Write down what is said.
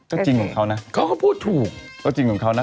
ก็จริงของเขานะเขาก็พูดถูกก็จริงของเขานะ